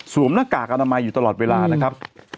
หน้ากากอนามัยอยู่ตลอดเวลานะครับ